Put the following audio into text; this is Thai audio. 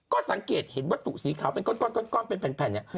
ก็สังเกตเห็นวัตถุสีขาวเป็นก้อนเป็นแผ่นเนี่ย